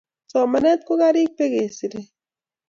Somanet ko karik be kisirei